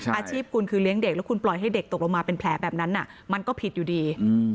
อาชีพคุณคือเลี้ยงเด็กแล้วคุณปล่อยให้เด็กตกลงมาเป็นแผลแบบนั้นมันก็ผิดอยู่ดี